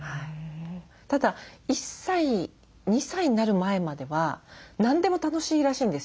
ただ１歳２歳になる前までは何でも楽しいらしいんですよ。